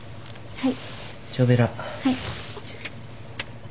はい。